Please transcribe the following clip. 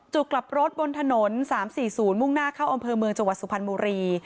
กลับรถบนถนน๓๔๐มุ่งหน้าเข้าอำเภอเมืองจังหวัดสุพรรณบุรี